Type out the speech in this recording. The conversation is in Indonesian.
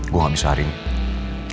gue gak bisa hari ini